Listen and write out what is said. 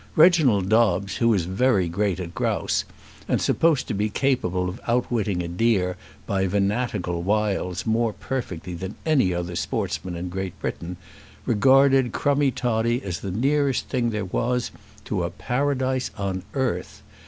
Reginald Dobbes, who was very great at grouse, and supposed to be capable of outwitting a deer by venatical wiles more perfectly than any other sportsman in Great Britain, regarded Crummie Toddie as the nearest thing there was to a Paradise on earth.